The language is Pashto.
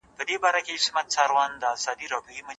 په ټاکنو کي دقت کوه.